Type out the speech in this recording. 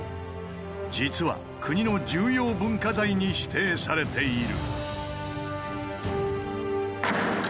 実は国の重要文化財に指定されている。